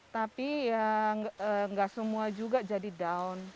tapi ya nggak semua juga jadi down